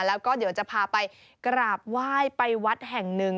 แล้วก็เดี๋ยวจะพาไปกราบไหว้ไปวัดแห่งหนึ่ง